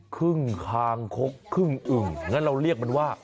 ครึ่งคางคกครึ่งอึ่งงั้นเราเรียกมันว่า